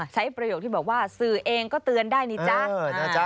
ประโยคที่บอกว่าสื่อเองก็เตือนได้นี่จ๊ะ